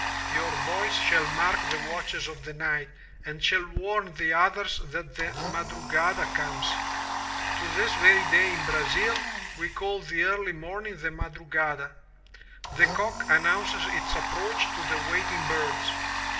Your voice shall mark the watches of the night and shall warn the 214 THROUGH FAIRY HALLS Others that the madrugada comes/ To this very day in Brazil we call the early morning the madrugada. The cock announces its approach to the waiting birds.